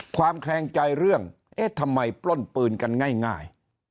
แขลงใจเรื่องเอ๊ะทำไมปล้นปืนกันง่าย